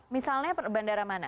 misalnya bandara mana